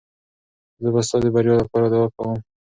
زه به ستا د بریا لپاره دعا کوم.